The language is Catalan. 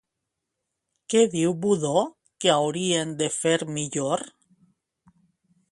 Què diu Budó que haurien de fer millor?